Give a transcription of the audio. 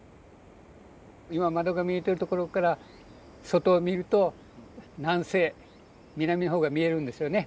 今窓が見えてるところから外を見ると南西南のほうが見えるんですよね。